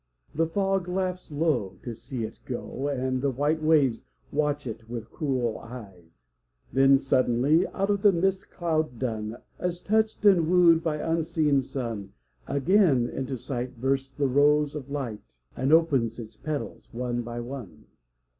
The fog laughs low to see it go, And the white waves watch it with cruel eyes. Then suddenly out of the mist cloud dun, As touched and wooed by unseen sun, Again into sight bursts the rose of light And opens its petals one by one.